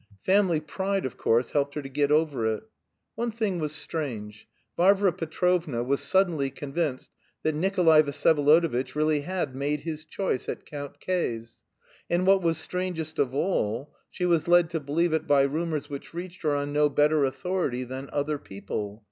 Family pride, of course, helped her to get over it. One thing was strange: Varvara Petrovna was suddenly convinced that Nikolay Vsyevolodovitch really had "made his choice" at Count K.'s. And what was strangest of all, she was led to believe it by rumours which reached her on no better authority than other people.